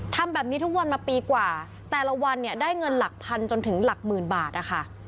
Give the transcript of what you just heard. ทำแบบนี้ทุกวันมาปีกว่าแต่ละวันเนี่ยได้เงินหลักพันจนถึงหลักหมื่นบาทนะคะ